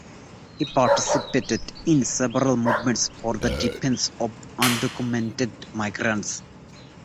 He participated in several movements for the defense of undocumented migrants.